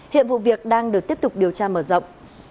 hiện vụ việc đang được tiếp tục điều tra mở rộng